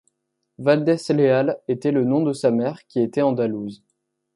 Valdés Leal était le nom de sa mère, qui était Andalouse.